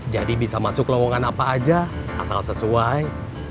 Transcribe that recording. jadi bisa masuk lawangan apa aja asal sesuai